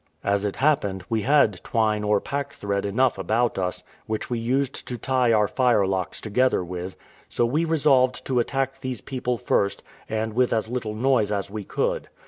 As it happened, we had twine or packthread enough about us, which we used to tie our firelocks together with; so we resolved to attack these people first, and with as little noise as we could.